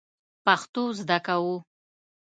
پښتو زده کوو